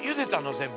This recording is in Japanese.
全部。